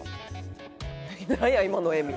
今の笑み。